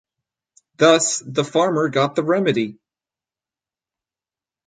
Thus the farmer got the remedy.